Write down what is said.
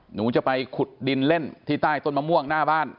หนูจะไปขุดดินเล่นที่ใต้ต้นมะม่วงหน้าบ้าน